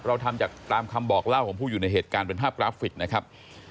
เราทำจากตามคำบอกเล่าของผู้อยู่ในเหตุการณ์เป็นภาพกราฟิกนะครับ